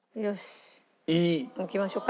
いきましょうか。